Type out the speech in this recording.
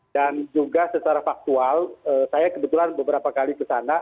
dan juga secara faktual saya kebetulan beberapa kali ke sana